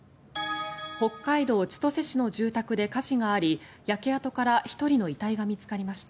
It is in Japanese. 北海道千歳市の住宅で火事があり焼け跡から１人の遺体が見つかりました。